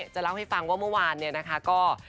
จะเล่าให้ฟังว่าเมื่อวานเนี่ยนะคะก็